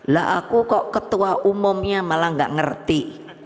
lah aku kok ketua umumnya malah gak ngerti